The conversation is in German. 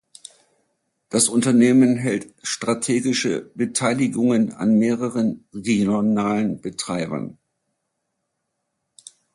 Das Unternehmen hält strategische Beteiligungen an mehreren regionalen Betreibern.